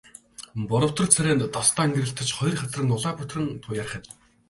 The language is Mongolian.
Боровтор царай нь тос даан гэрэлтэж, хоёр хацар нь улаа бутран туяарах аж.